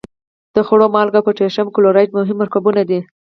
د خوړو مالګه او پوتاشیم کلورایډ مهم مرکبونه دي.